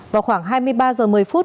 vào khoảng hai mươi ba h một mươi phút